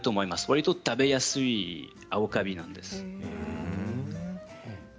わりと食べやすい青カビなんです。